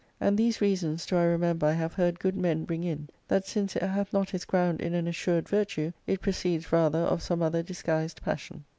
And these reasons dcf I remember I have heard good men bring in, that since it hath not his ground in an assured virtue, it proceeds rather of some other disguised passion."